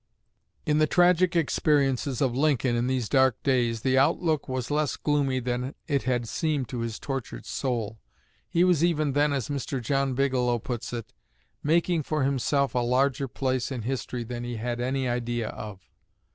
In the tragic experiences of Lincoln in these dark days, the outlook was less gloomy than it had seemed to his tortured soul. He was even then, as Mr. John Bigelow puts it, "making for himself a larger place in history than he had any idea of."